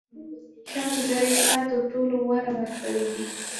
• ښه ملګری ستا تر ټولو غوره ملګری دی.